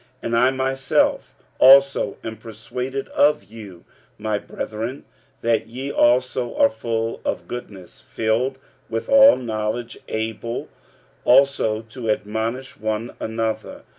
45:015:014 And I myself also am persuaded of you, my brethren, that ye also are full of goodness, filled with all knowledge, able also to admonish one another.